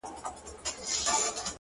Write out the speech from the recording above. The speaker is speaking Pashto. مرگ دی که ژوند دی؛